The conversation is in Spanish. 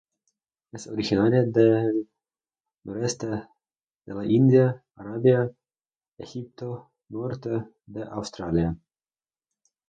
Es originaria del noroeste de la India, Arabia, Egipto, Norte de Australia.